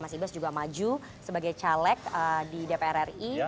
mas ibas juga maju sebagai caleg di dpr ri